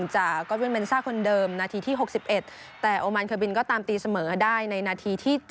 จากก๊อตเวียนเมนซ่าคนเดิมนาทีที่๖๑แต่โอมานเคอร์บินก็ตามตีเสมอได้ในนาทีที่๗